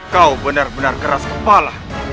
kau benar benar keras kepala